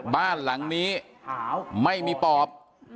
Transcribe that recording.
บ้านหลังนี้ไม่มีปอบ